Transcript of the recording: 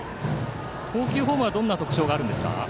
投球フォームはどんな特徴がありますか？